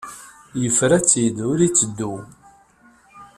Yefra-tt-id ur itteddu.